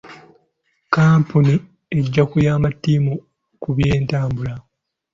Kkampuni ejja kuyamba ttiimu ku byentambula.